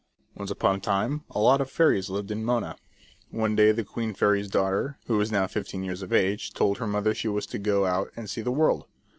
ONCE upon a time a lot of fairies lived in Mona. One day the queen fairy's daughter, who was now fifteen years of age, told her mother she wished to go out and see the world.